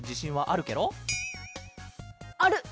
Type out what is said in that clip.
ある！